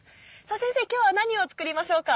先生今日は何を作りましょうか。